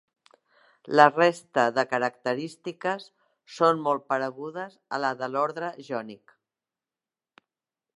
La resta de característiques són molt paregudes a les de l'ordre jònic.